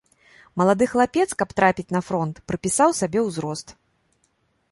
Малады хлапец, каб трапіць на фронт, прыпісаў сабе ўзрост.